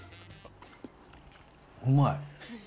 うまい！